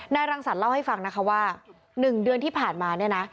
รังสรรคเล่าให้ฟังนะคะว่า๑เดือนที่ผ่านมาเนี่ยนะ